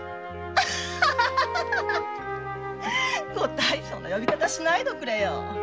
ご大層な呼び方しないでおくれよ。